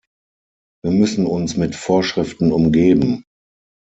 Wir müssen uns mit Vorschriften umgeben.